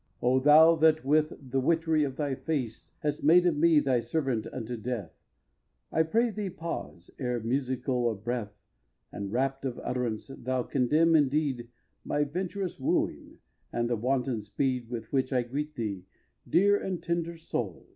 O thou that with the witchery of thy face Hast made of me thy servant unto death, I pray thee pause, ere, musical of breath, And rapt of utterance, thou condemn indeed My venturous wooing, and the wanton speed With which I greet thee, dear and tender soul!